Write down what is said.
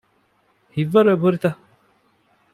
ހިތްވަރު އެބަހުރިތަ؟